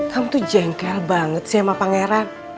kamu tuh jengkel banget sama pangeran